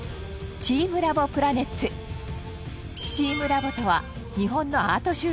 チームラボとは日本のアート集団。